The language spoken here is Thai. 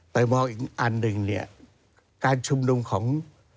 แต่มองอีกอันหนึ่งการชุมนุมของ